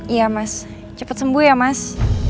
iya mas cepet sembuh ya mas